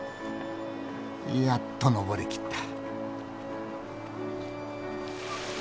やっと上りきった。